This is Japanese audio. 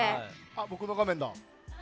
僕の画面だ。